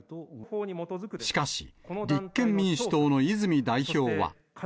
しかし、立憲民主党の泉代表は。